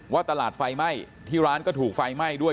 ว่าตลาดไฟไหม้ที่ร้านก็ถูกไฟไหม้ด้วย